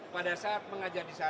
pada saat mengajar disana